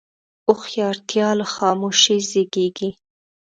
هوښیارتیا له خاموشۍ زیږېږي.